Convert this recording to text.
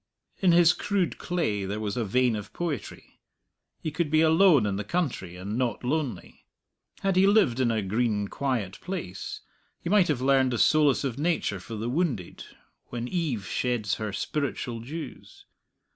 In his crude clay there was a vein of poetry: he could be alone in the country, and not lonely; had he lived in a green quiet place, he might have learned the solace of nature for the wounded when eve sheds her spiritual dews.